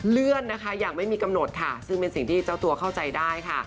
เลื่อนนะคะอย่างไม่มีกำหนดค่ะซึ่งเป็นสิ่งที่เจ้าตัวเข้าใจได้ค่ะ